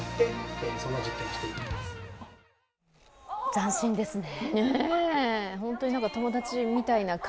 斬新ですね。